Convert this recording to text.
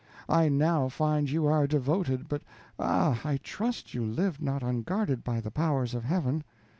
I now find you are devoted; but ah! I trust you live not unguarded by the powers of Heaven.